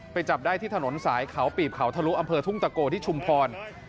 จับได้ที่ถนนสายเขาปีบเขาทะลุอำเภอทุ่งตะโกที่ชุมพร